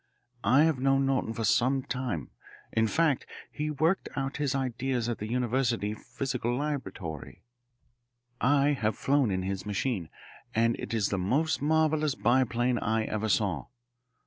I have known Norton some time; in fact, he worked out his ideas at the university physical laboratory. I have flown in his machine, and it is the most marvellous biplane I ever saw.